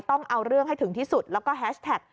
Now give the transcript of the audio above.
ต้องเอาเรื่องให้ถึงที่สุดแล้วก็แฮชแท็ก